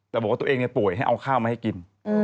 แต่บอกว่าตัวเองป่วยให้เอาข้าวมาให้กิน